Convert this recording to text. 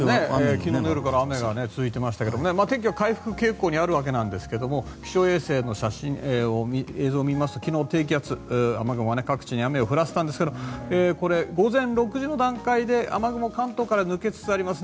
昨日の夜から雨が続いていましたけど天気は回復傾向にありますが気象衛星の映像を見ますと低気圧、雨雲が各地で雨を降らせたんですけど午前６時の段階で雨雲が関東から抜けつつあります。